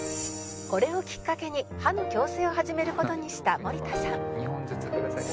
「これをきっかけに歯の矯正を始める事にした森田さん」